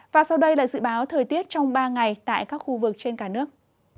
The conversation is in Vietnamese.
và sau đây là dự báo thời tiết trong ba ngày tại các khu vực trên cả nước